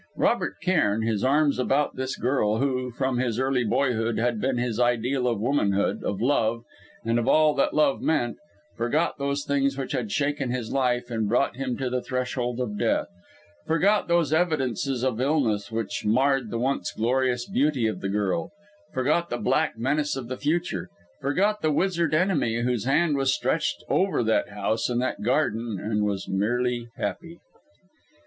Robert Cairn, his arms about this girl, who, from his early boyhood, had been his ideal of womanhood, of love, and of all that love meant, forgot those things which had shaken his life and brought him to the threshold of death, forgot those evidences of illness which marred the once glorious beauty of the girl, forgot the black menace of the future, forgot the wizard enemy whose hand was stretched over that house and that garden and was merely happy.